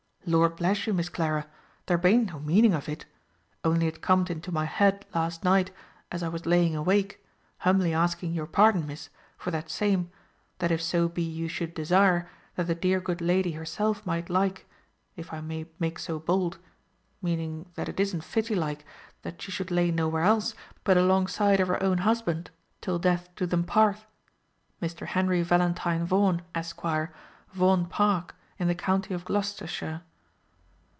Lord bless you, Miss Clara, there bain't no meaning of it; only it corned into my head last night, as I was laying awake, humbly asking your pardon, Miss, for that same, that if so be you should desire, that the dear good lady herself might like, if I may make so bold, meaning that it isn't fitly like, that she should lay nowhere else, but alongside of her own husband, till death do them part, Mr. Henry Valentine Vaughan, Esquire, Vaughan Park, in the county of Gloucestershire.